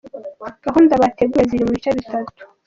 Gahunda bateguye ziri mu bice bitatu.